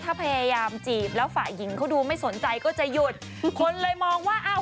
ตอนนี้เรียกว่าเป็นแบบตำแหน่งเจ้าแม่พรีเซนเตอร์กันเลยทีเดียวนะคะ